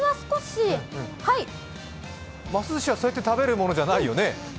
ます寿しはそうやって食べるものじゃないよね？